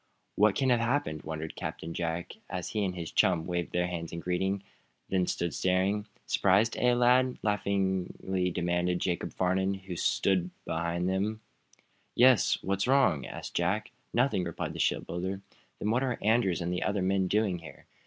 "What can have happened?" wondered Captain Jack, as he and his chum waved their hands in greeting; then stood staring. "Surprised, eh, lads?" laughingly demanded Jacob Farnum, who had stolen up behind them. "Yes; what's wrong?" asked Jack. "Nothing," replied the shipbuilder. "Then what are Andrews and the other men doing here?"